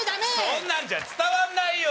そんなんじゃ伝わんないよ